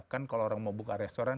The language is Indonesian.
kan kalau orang mau buka restoran